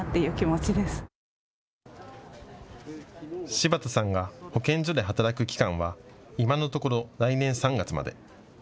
柴田さんが保健所で働く期間は今のところ来年３月まで。